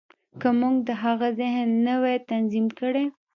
که موږ د هغه ذهن نه وای تنظيم کړی.